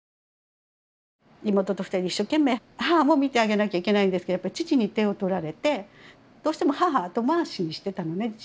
妹と２人で一生懸命母も見てあげなきゃいけないんですけどやっぱり父に手をとられてどうしても母は後回しにしてたのね。